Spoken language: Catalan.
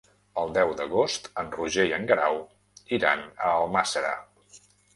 El deu d'agost en Roger i en Guerau iran a Almàssera.